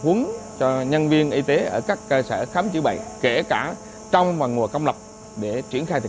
quấn cho nhân viên y tế ở các cơ sở khám chữa bệnh kể cả trong và ngoài công lập để triển khai thực